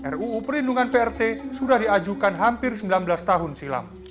ruu perlindungan prt sudah diajukan hampir sembilan belas tahun silam